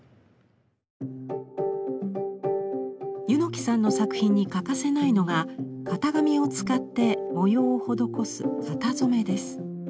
柚木さんの作品に欠かせないのが型紙を使って模様を施す型染です。